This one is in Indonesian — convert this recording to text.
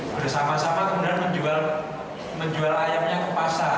bersama sama kemudian menjual ayamnya ke pasar